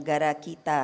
karena gue yang ikut lagu